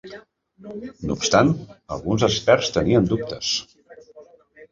No obstant, alguns experts tenien dubtes.